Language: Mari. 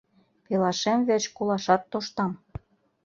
— Пелашем верч колашат тоштам!